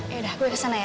yaudah gue kesana ya